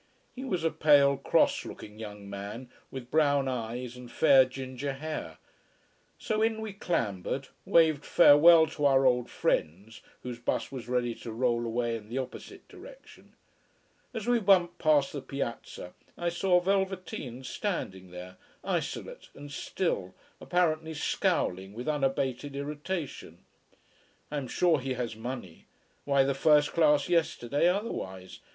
He was a pale, cross looking young man with brown eyes and fair "ginger" hair. So in we clambered, waved farewell to our old friends, whose bus was ready to roll away in the opposite direction. As we bumped past the "piazza" I saw Velveteens standing there, isolate, and still, apparently, scowling with unabated irritation. I am sure he has money: why the first class, yesterday, otherwise.